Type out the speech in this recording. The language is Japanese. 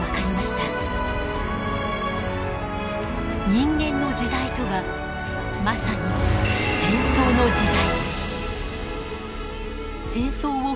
人間の時代とはまさに戦争の時代。